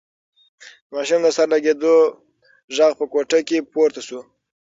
د ماشوم د سر د لگېدو غږ په کوټه کې پورته شو.